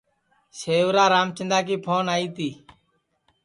سیورا رامچندا کی پھون آئی تی